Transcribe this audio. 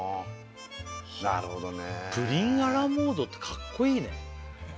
なるほどねプリンアラモードってかっこいいね